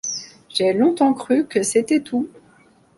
J’ai longtemps cru que c’était tout.